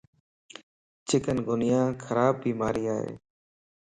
چڪن گونيا خراب بيماري ائي